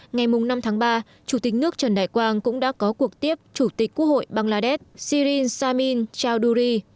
ngày năm tháng ba chủ tịch nước trần đại quang cũng đã có cuộc tiếp chủ tịch quốc hội bangladesh syri samin chardouri